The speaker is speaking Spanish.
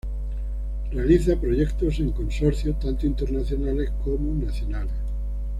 Realiza proyectos en consorcio tanto internacionales como nacionales.